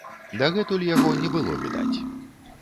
Дагэтуль яго не было відаць.